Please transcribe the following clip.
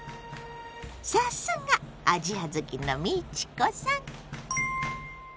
さすがアジア好きの美智子さん！